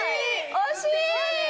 惜しい！